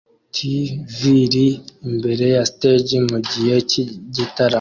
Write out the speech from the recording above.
t viri imbere ya stage mugihe cy'igitaramo